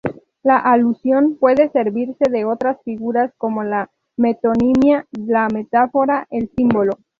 La alusión puede servirse de otras figuras como la metonimia, la metáfora, el símbolo...